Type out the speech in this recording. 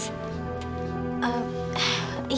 nanti malah mengecewakan ibu laras